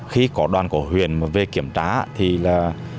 khi có đoàn của huyền về kiểm tra thì là